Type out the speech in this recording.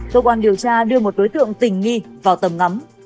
cơ quan điều tra đưa một đối tượng tình nghi vào tầm ngắm